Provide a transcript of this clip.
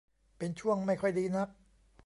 เป็นช่วงไม่ค่อยดีนัก